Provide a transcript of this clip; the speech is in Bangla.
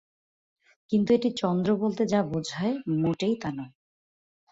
এটি কিন্তু চন্দ্র বলতে যা বোঝায়, মোটেই তা নয়।